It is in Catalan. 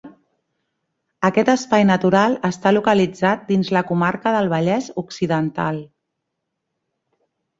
Aquest espai natural està localitzat dins la comarca del Vallès Occidental.